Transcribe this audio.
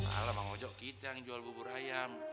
ala bang ojo kita yang jual bubur ayam